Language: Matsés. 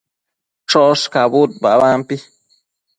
choshcabud babampi